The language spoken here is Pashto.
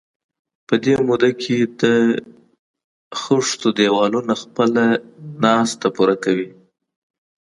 په دې موده کې د خښتو دېوالونه خپله ناسته پوره کوي.